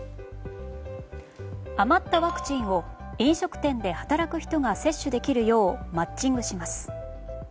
余ったワクチンを飲食店で働く人が接種できるようマッチングします。